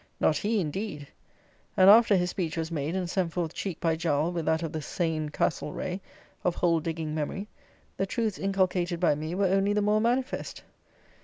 Not he, indeed. And, after his speech was made, and sent forth cheek by jowl with that of the sane Castlereagh, of hole digging memory, the truths inculcated by me were only the more manifest.